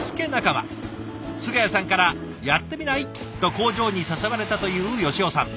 菅谷さんから「やってみない？」と工場に誘われたという吉尾さん。